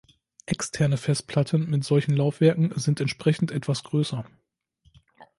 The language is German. Externe Festplatten mit solchen Laufwerken sind entsprechend etwas größer.